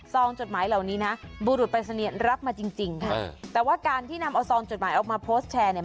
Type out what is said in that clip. จดหมายเหล่านี้นะบุรุษปรายศนียนรับมาจริงค่ะแต่ว่าการที่นำเอาซองจดหมายออกมาโพสต์แชร์เนี่ย